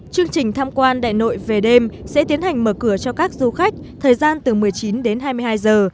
chương trình tham quan đại nội về đêm sẽ tiến hành mở cửa cho các du khách thời gian từ một mươi chín đến hai mươi hai giờ